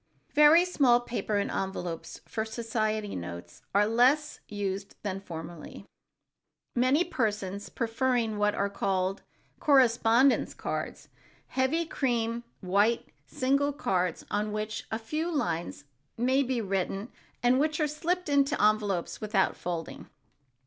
Very small paper and envelopes for society notes are less used than formerly, many persons preferring what are called correspondence cards, heavy cream white single cards on which a few lines may be written and which are slipped into their envelopes without folding.